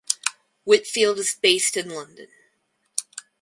Whitfield is based in London.